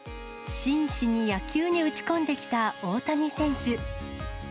真摯に野球に打ち込んできた大谷選手。